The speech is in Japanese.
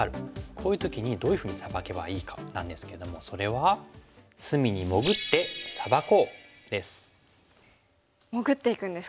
こういう時にどういうふうにサバけばいいかなんですけどもそれは潜っていくんですか。